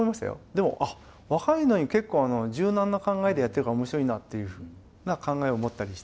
でもあっ若いのに結構柔軟な考えでやってるから面白いなあっていう考えを持ったりしてますね。